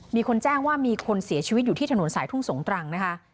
มีคนแจ้งว่ามีคนเสียชีวิตอยู่ที่ถนนสายทุ่งสงตรังนะคะ